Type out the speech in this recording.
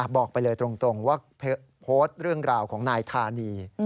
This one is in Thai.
บอกไปเลยตรงว่าโพสต์เรื่องราวของนายธานี